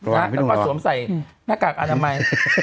แล้วก็สวมใส่หน้ากากอนามัย